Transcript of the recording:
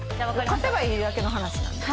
勝てばいいだけの話なんで。